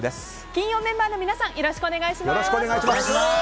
金曜メンバーの皆さんよろしくお願いします。